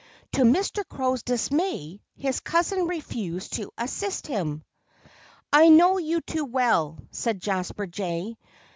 To Mr. Crow's dismay, his cousin refused to assist him. "I know you too well," said Jasper Jay.